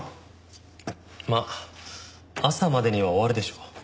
まあ朝までには終わるでしょう。